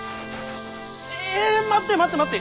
ええ待って待って待って！